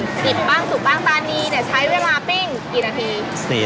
ดิบบ้างสุกบ้างตานีเนี่ยใช้เวลาปิ้งกี่นาที